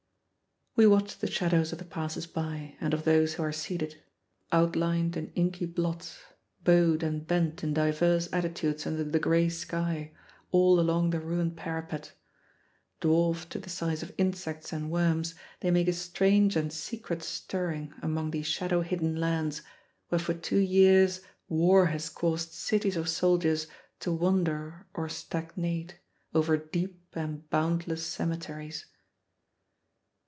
We watch the shadows of the passers by and of those who are seated, outlined in inky blots, bowed and bent in diverse attitudes under the gray sky, all along the ruined parapet. Dwarfed to the size of insects and worms, they make a strange and secret stirring among these shadow hidden lands where for two years war has caused cities of soldiers to wander or stagnate over deep and boundless cemeteries.